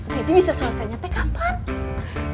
jadi bisa selesainya teh kapan